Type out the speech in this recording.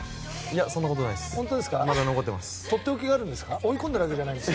そんなことないです。